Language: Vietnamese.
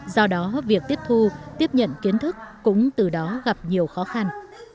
do đó việc tiếp thu tiếp nhận kiến thức cũng từ đó gặp nhiều khó khăn